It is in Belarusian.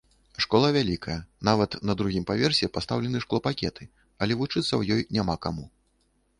Школа вялікая, нават на другім паверсе пастаўлены шклопакеты, але вучыцца ў ёй няма каму.